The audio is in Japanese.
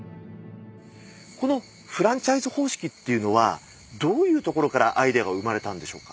このフランチャイズ方式っていうのはどういうところからアイデアが生まれたんでしょうか？